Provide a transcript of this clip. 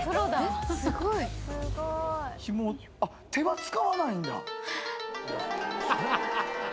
ひもをあっ手は使わないんだ。